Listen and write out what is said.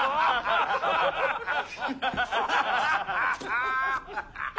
ああ？